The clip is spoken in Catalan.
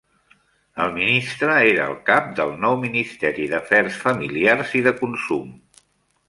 El ministre era el cap del nou Ministeri d'Afers Familiars i de Consum.